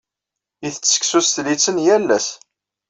Itett seksu s tlitten yal ass.